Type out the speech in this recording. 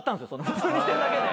普通にしてるだけで。